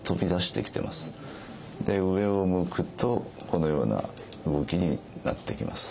で上を向くとこのような動きになってきます。